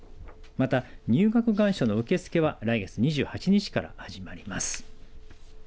また、入学願書の受け付けは来月２８日から始まります。